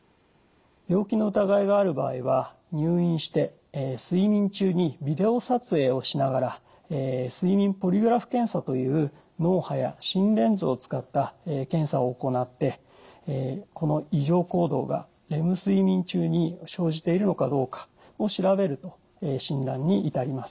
病気の疑いがある場合は入院して睡眠中にビデオ撮影をしながら睡眠ポリグラフ検査という脳波や心電図を使った検査を行ってこの異常行動がレム睡眠中に生じているのかどうかを調べると診断に至ります。